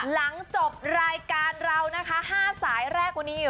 หลังจบรายการเรานะคะ๕สายแรกวันนี้อยู่